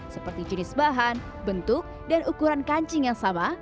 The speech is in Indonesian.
seperti jenis bahan bentuk dan ukuran kancing yang sama